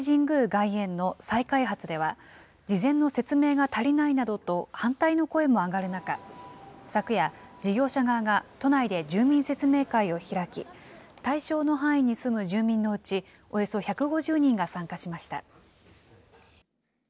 外苑の再開発では、事前の説明が足りないなどと反対の声も上がる中、昨夜、事業者側が都内で住民説明会を開き、対象の範囲に住む住民のうちおよそ１５０人が参加しました。